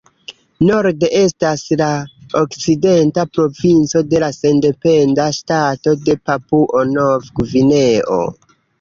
Norde estas la Okcidenta Provinco de la sendependa ŝtato de Papuo-Nov-Gvineo.